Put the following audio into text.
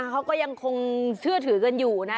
เขาก็ยังคงเชื่อถือกันอยู่นะ